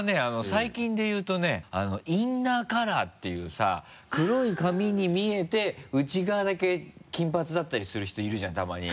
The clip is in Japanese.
最近で言うとねインナーカラーっていうさ黒い髪に見えて内側だけ金髪だったりする人いるじゃんたまに。